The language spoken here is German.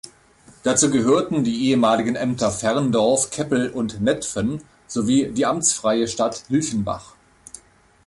Dazu gehörten die ehemaligen Ämter Ferndorf, Keppel und Netphen sowie die amtsfreie Stadt Hilchenbach.